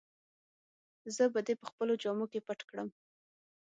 زه به دي په خپلو جامو کي پټ کړم.